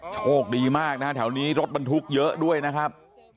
โชคดีมากนะฮะแถวนี้รถบรรทุกเยอะด้วยนะครับ